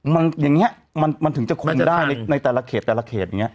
มันอย่างนี้มันถึงจะคุมได้ในแต่ละเขตแต่ละเขตอย่างนี้